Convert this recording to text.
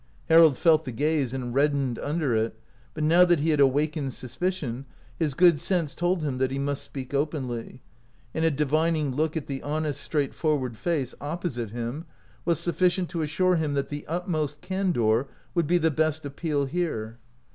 Harold felt the gaze, and red dened under it ; but now that he had awak ened suspicion, his good sense told him that he must speak openly, and a divining look at the honest, straightforward face opposite 191 OUT OF BOHEMIA him was sufficient to assure him that the utmost candor would be the best appeal here.